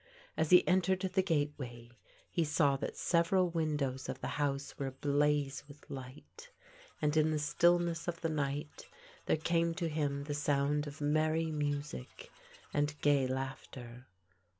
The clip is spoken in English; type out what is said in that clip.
As he entered the gateway he saw that several windows of the house were ablaze with light, and in the stillness of the night there came to him the sound of merry music and gay laughter.